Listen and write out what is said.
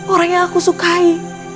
orang yang aku sukai